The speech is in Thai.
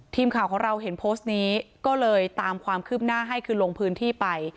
ทีมข่าวของเราเห็นโพสต์นี้ก็เลยตามความคืบหน้าให้คือลงพื้นที่ไป